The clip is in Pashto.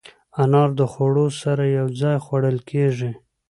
انار د خوړو سره یو ځای خوړل کېږي.